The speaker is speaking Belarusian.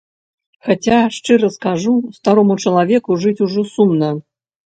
Хаця, шчыра скажу, старому чалавеку жыць ужо сумна.